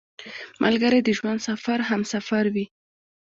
ملګری د ژوند سفر همسفر وي